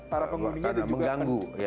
para pengguninya dan juga tamunya